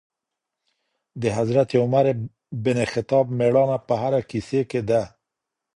د حضرت عمر بن خطاب مېړانه په هره کیسې کي ده.